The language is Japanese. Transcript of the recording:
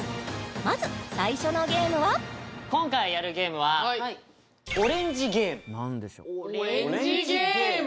まず最初のゲームは今回やるゲームは何でしょう？